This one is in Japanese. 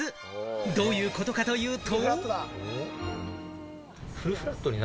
どういうことかというと。